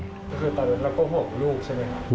ก็คือตอนนั้นเราก็ห่วงลูกใช่ไหมครับ